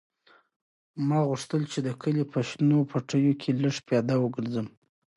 ما غوښتل چې د کلي په شنو پټیو کې لږ پیاده وګرځم.